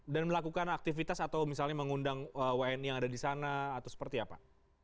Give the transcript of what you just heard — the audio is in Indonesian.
dan melakukan aktivitas atau misalnya mengundang wni yang ada di sana atau seperti apa